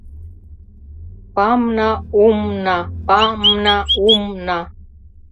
Па-мна-ум-на, па-мна-ум-на